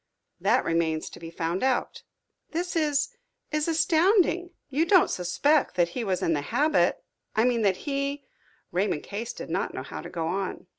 "That remains to be found out." "This is is astounding! You don't suspect that he was in the habit I mean that he " Raymond Case did not know how to go on.